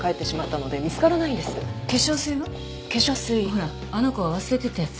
ほらあの子が忘れてったやつ。